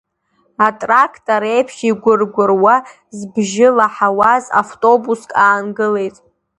Атрактор еиԥш игәыргәыруа збжьы лаҳауаз втобуск аангылеит.